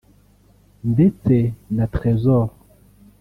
ndetse na Tresor’”